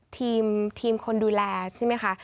ทีมคนดูแลใช่ไหมคะ